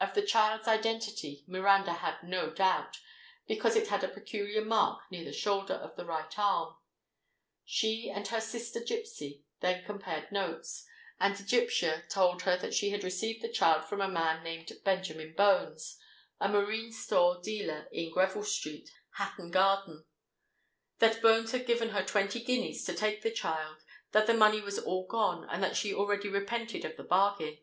Of the child's identity Miranda had no doubt, because it had a peculiar mark near the shoulder of the right arm. She and her sister gipsy then compared notes, and Egyptia told her that she had received the child from a man named Benjamin Bones—a marine store dealer in Greville Street, Hatton Garden; that Bones had given her twenty guineas to take the child; that the money was all gone; and that she already repented of the bargain.